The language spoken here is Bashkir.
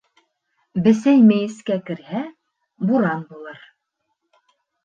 Бссәй мейескә керһә, буран булыр.